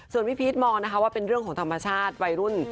ส่วนพี่พีชมองนะคะว่าเป็นเรื่องของธรรมชาติวัยรุ่น